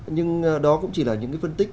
nhưng đó cũng chỉ là những cái phân tích